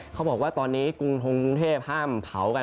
เขาบอกว่าตอนนี้กรุงทงกรุงเทพห้ามเผากัน